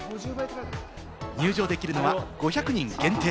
入場できるのは５００人限定。